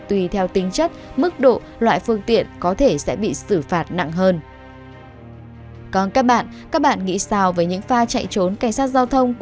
tùy theo tính chất mức độ loại phương tiện có thể sẽ bị xử phạt nặng hơn